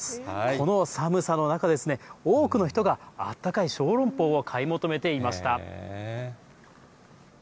この寒さの中、多くの人があったかい小籠包を買い求めていました。